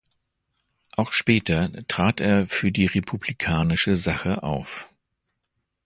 Auch später trat er für die republikanische Sache auf.